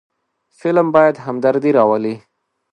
فلم باید همدردي راولي